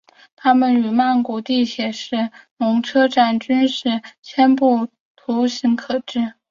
它们与曼谷地铁的是隆车站均是徙步可至。